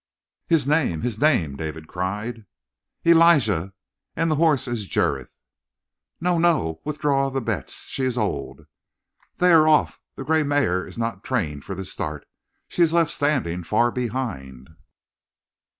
"His name! His name!" David cried. "Elijah! And the horse is Jurith!" "No, no! Withdraw the bets! She is old." "They are off! The gray mare is not trained for the start. She is left standing far behind."